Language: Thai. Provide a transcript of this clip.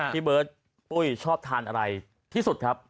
ที่เบิร์ทชอบทานอะไรที่สุดครับ